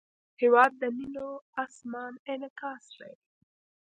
هېواد د نیلو آسمان انعکاس دی.